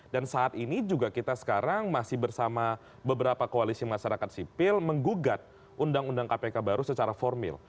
dan saat ini juga kita sekarang masih bersama beberapa koalisi masyarakat sipil mengugat undang undang kpk baru secara formil